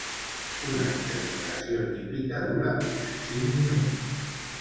Una interpretació típica dura uns cinc minuts.